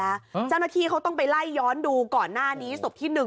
เมื่อกี้เขาต้องไปไล่ย้อนดูก่อนหน้านี้ศพที่๑